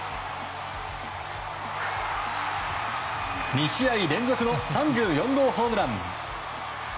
２試合連続の３４号ホームラン。